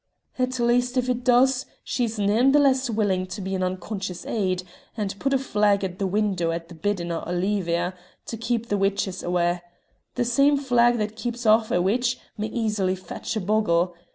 "At least if it does she's nane the less willin' to be an unconscious aid, and put a flag at the window at the biddin' o' Olivia to keep the witches awa'. The same flag that keeps aff a witch may easily fetch a bogle.